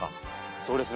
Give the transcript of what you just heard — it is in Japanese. そうですね。